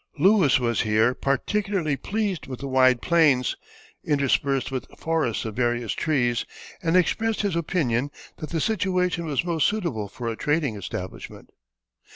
Lewis was here particularly pleased with the wide plains, interspersed with forests of various trees, and expressed his opinion that the situation was most suitable for a trading establishment.